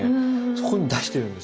そこに出してるんですよ。